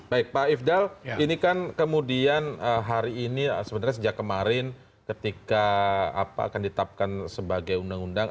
baik pak ifdal ini kan kemudian hari ini sebenarnya sejak kemarin ketika akan ditapkan sebagai undang undang